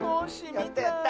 やったやった！